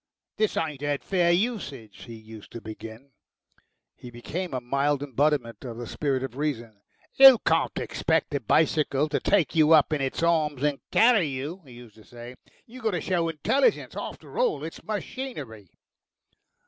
"This ain't 'ad fair usage," he used to begin. He became a mild embodiment of the spirit of reason. "You can't expect a bicycle to take you up in its arms and carry you," he used to say. "You got to show intelligence. After all it's machinery."